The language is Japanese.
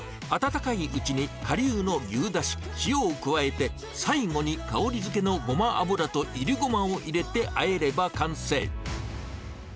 温かいうちにかりゅうの牛だし、塩を加えて、最後に香りづけのゴマ油といりごまを入れて和えれば完成。